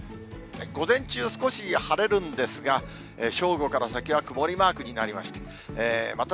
午前中、少し晴れるんですが、正午から先は曇りマークになりました。